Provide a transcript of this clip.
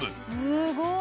すごい。